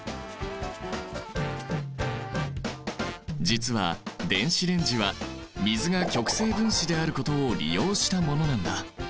実は電子レンジは水が極性分子であることを利用したものなんだ。